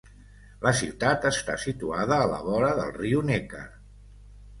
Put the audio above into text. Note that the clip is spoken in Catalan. La ciutat està situada a la vora del riu Neckar.